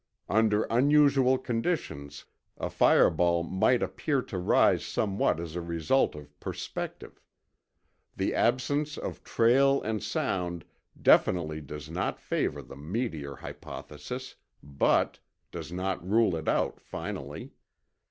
Under unusual conditions, a fireball might appear to rise somewhat as a result of perspective. The absence of trail and sound definitely does not favor the meteor hypothesis, but ... does not rule it out finally.